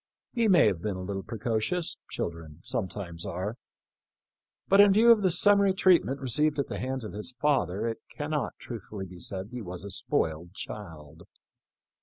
He may have been a little precocious — children sometimes are — but in view of the summary treatment received at the hands of his father it cannot truthfully be said he was a " spoiled child."